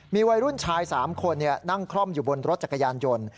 มีวัยรุ่นชาย๓คนนั่งคล่อมอยู่บนรถจักรยานยนต์